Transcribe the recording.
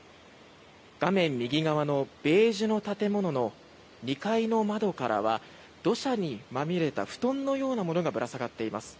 画面右側のベージュの建物の２階の窓からは土砂にまみれた布団のようなものがぶら下がっています。